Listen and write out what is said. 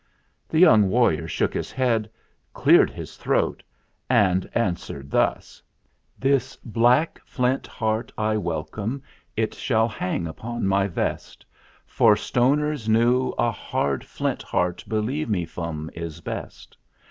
The young warrior shook his head, cleared his throat, and answered thus :" This black flint heart I welcome ; it shall hang upon my vest; For Stoners New a hard flint heart, believe me, Fum, is best.